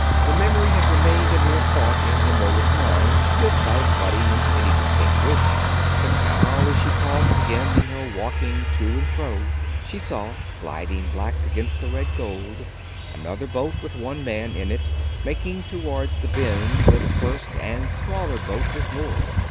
The memory had remained a mere thought in Romola's mind, without budding into any distinct wish; but now, as she paused again in her walking to and fro, she saw gliding black against the red gold another boat with one man in it, making towards the bend where the first and smaller boat was moored.